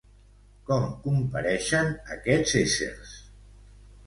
Com compareixen aquests éssers?